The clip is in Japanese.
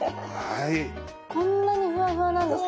こんなにふわふわなんですね